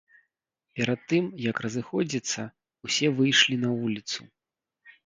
Перад тым як разыходзіцца, усе выйшлі на вуліцу.